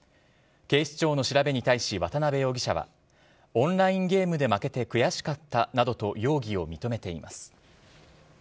警視庁の調べに対し渡辺容疑者はオンラインゲームで負けて悔しかったなどと容疑を認めています。